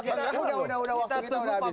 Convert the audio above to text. penggeraknya udah udah waktu kita udah habis